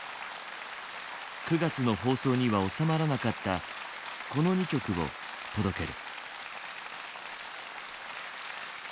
９月の放送には収まらなかったこの２曲を届ける。